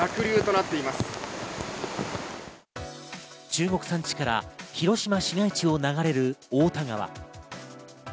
中国山地から広島市街地を流れる太田川。